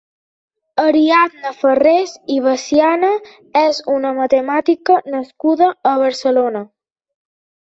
Ariadna Farrés i Basiana és una matemàtica nascuda a Barcelona.